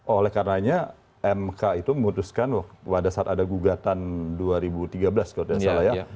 oleh karenanya mk itu memutuskan pada saat ada gugatan dua ribu tiga belas kalau tidak salah ya